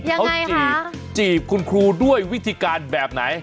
เขาจีบจีบคุณครูด้วยวิธีการแบบไหน